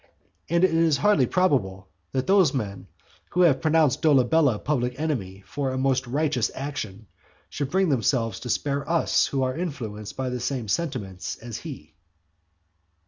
And it is hardly probable, that those men who have pronounced Dolabella a public enemy for a most righteous action, should bring themselves to spare us who are influenced by the same sentiments as he".